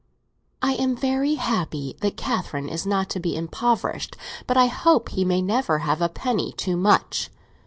"I am very happy that Catherine is not to be impoverished—but I hope he may never have a penny too much!